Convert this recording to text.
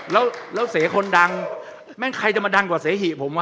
แล้วเสคนดังแม่งใครจะมาดังกว่าเสหิผมว่